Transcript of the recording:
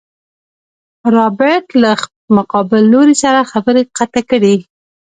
رابرټ له مقابل لوري سره خبرې قطع کړې.